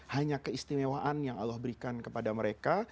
hanya keistimewaan yang allah berikan kepada mereka